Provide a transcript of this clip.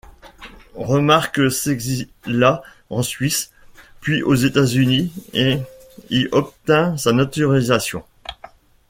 Remarque s'exila en Suisse puis aux États-Unis et y obtint sa naturalisation.